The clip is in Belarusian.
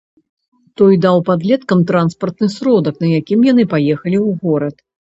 Той даў падлеткам транспартны сродак, на якім яны паехалі ў горад.